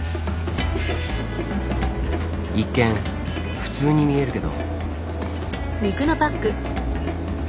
一見普通に見えるけど。